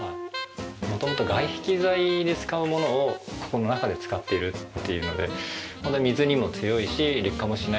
元々外壁材で使うものをここの中で使っているっていうのでホントに水にも強いし劣化もしないっていうので。